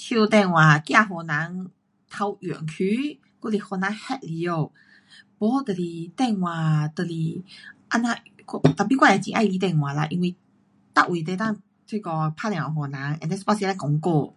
手电话怕给人偷用去，还是给人 hack 进去，没就是电话就是这样，我 tapi 我也很喜欢电话啦，因为每位都能够那个打电话给人，and then 有半时要讲聊。